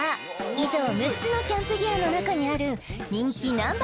以上６つのキャンプギアの中にある人気Ｎｏ．